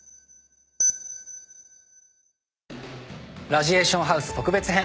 『ラジエーションハウス』特別編